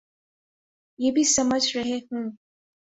یہ بھی سمجھ رہے ہوں۔